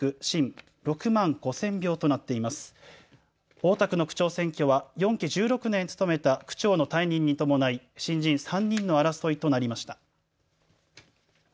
大田区の区長選挙は４期１６年務めた区長の退任に伴い新人３人の争いとなりました。